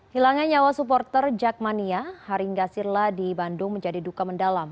hilangnya nyawa supporter jack mania haring ghasirlah di bandung menjadi duka mendalam